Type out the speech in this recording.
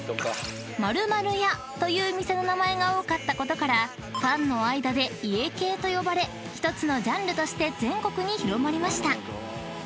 ［○○家という店の名前が多かったことからファンの間で家系と呼ばれ１つのジャンルとして全国に広まりました］